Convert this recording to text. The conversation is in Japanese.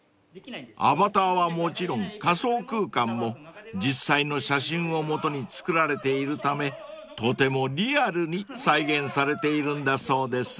［アバターはもちろん仮想空間も実際の写真をもとに作られているためとてもリアルに再現されているんだそうです］